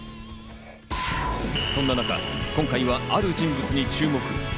そんな中、今回はある人物に注目。